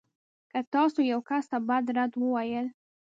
که تاسو يو کس ته بد رد وویل.